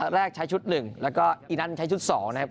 แรกใช้ชุด๑แล้วก็อีนั้นใช้ชุด๒นะครับ